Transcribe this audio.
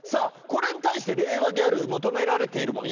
これに対して令和ギャル求められているもの